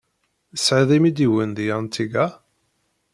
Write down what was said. Tesɛid imidiwen deg Antigua?